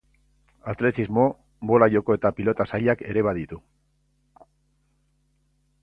Atletismo, bola-joko eta pilota sailak ere baditu.